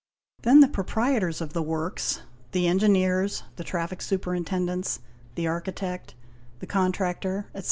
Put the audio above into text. Then the proprietors of the works, the engineers, the traffic superintendents, the architect, the contractor, etc.